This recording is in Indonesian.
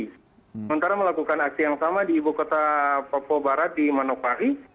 sementara melakukan aksi yang sama di ibu kota papua barat di manokwari